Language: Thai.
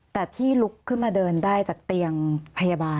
แต่ที่ลุกขึ้นมาเดินได้จากเตียงพยาบาล